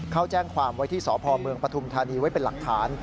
เขาแจ้งความไว้ที่สพเมืองปฐุมธานีไว้เป็นหลักฐาน